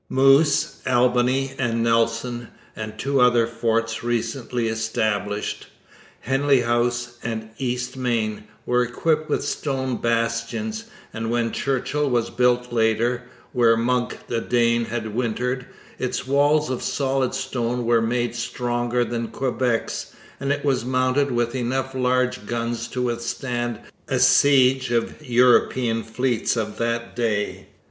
Moose, Albany, and Nelson, and two other forts recently established Henley House and East Main were equipped with stone bastions; and when Churchill was built later, where Munck the Dane had wintered, its walls of solid stone were made stronger than Quebec's, and it was mounted with enough large guns to withstand a siege of European fleets of that day.